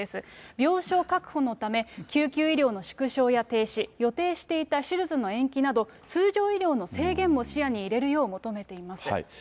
病床確保のため、救急医療の縮小や停止、予定していた手術の延期など、通常医療の制限も視野に入れるよう求めています。